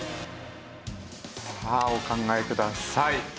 さあお考えください。